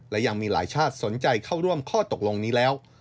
และยังมีหลายชาติสนใจเข้าร่วมข้อตกลงนี้แล้ว